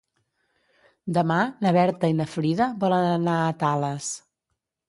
Demà na Berta i na Frida volen anar a Tales.